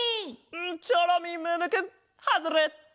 チョロミームームーくんはずれっと。